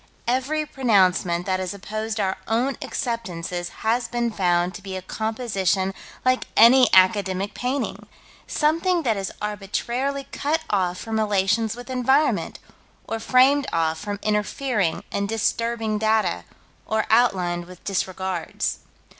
Every pronouncement that has opposed our own acceptances has been found to be a composition like any academic painting: something that is arbitrarily cut off from relations with environment, or framed off from interfering and disturbing data, or outlined with disregards.